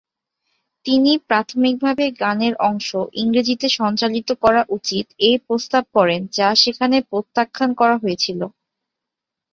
তিনি প্রাথমিকভাবে গানের অংশ ইংরেজিতে সঞ্চালিত করা উচিত এ প্রস্তাব করেন যা সেখানে প্রত্যাখ্যান করা হয়েছিল।